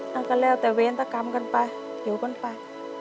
แล้วก็เล่าแต่เวรตกรรมกันไปอยู่ก่อนไป